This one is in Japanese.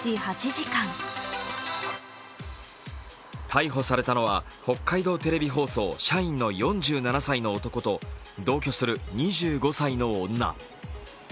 逮捕されたのは北海道テレビ放送社員の４７歳の男と同居する２５歳の女。